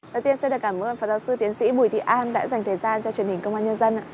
đầu tiên xin được cảm ơn phó giáo sư tiến sĩ bùi thị an đã dành thời gian cho truyền hình công an nhân dân